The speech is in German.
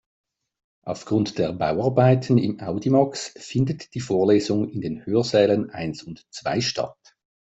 Aufgrund der Bauarbeiten im Audimax findet die Vorlesung in den Hörsälen eins und zwei statt.